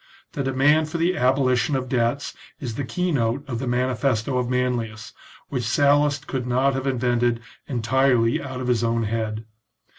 The demand for the abolition of debts is the key note of the manifesto of Manlius, which Sallust could not have invented entirely out of his own head.